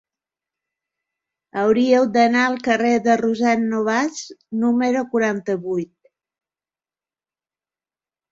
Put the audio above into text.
Hauria d'anar al carrer de Rossend Nobas número quaranta-vuit.